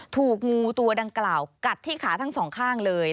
ถูกงูตัวดังกล่าวกัดที่ขาทั้งสองข้างเลย